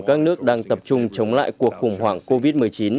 các nước đang tập trung chống lại cuộc khủng hoảng covid một mươi chín